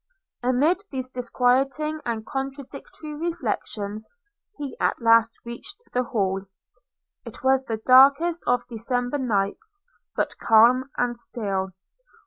Amid these disquieting and contradictory reflections, he at last reached the Hall. It was the darkest of December nights, but calm and still.